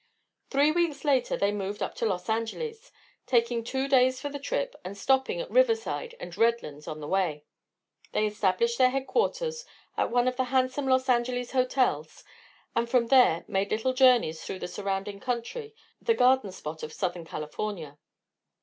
Three weeks later they moved up to Los Angeles, taking two days for the trip and stopping at Riverside and Redlands on the way. They established their headquarters at one of the handsome Los Angeles hotels and from there made little journeys through the surrounding country, the garden spot of Southern California.